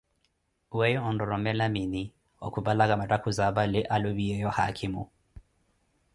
Weyo onororomela miini okupalaka mattakhuzi apale alupiyeeyo haakhimo?